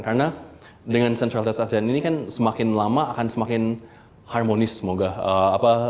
karena dengan centralitas asean ini kan semakin lama akan semakin harmonis semoga